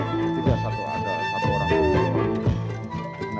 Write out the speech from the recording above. tidak ada satu orang